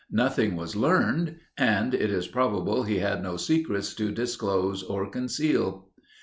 Nothing was learned, and it is probable he had no secrets to disclose or conceal.